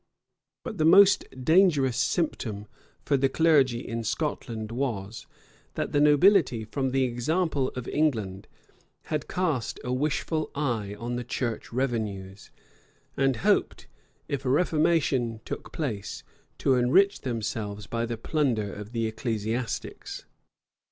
But the most dangerous symptom for the clergy in Scotland was, that the nobility, from the example of England, had cast a wishful eye on the church revenues, and hoped, if a reformation took place, to enrich themselves by the plunder of the ecclesiastics.